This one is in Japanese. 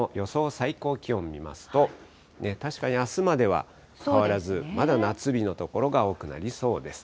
最高気温見ますと、確かにあすまでは変わらずまだ夏日の所が多くなりそうです。